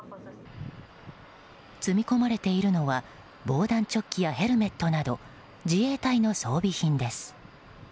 積み込まれているのは防弾チョッキやヘルメットなど自衛隊の装備品です。